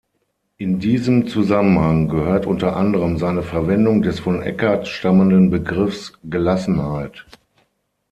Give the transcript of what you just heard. In diesen Zusammenhang gehört unter anderem seine Verwendung des von Eckhart stammenden Begriffs „Gelassenheit“.